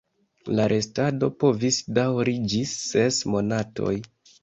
La restado povis daŭri ĝis ses monatoj.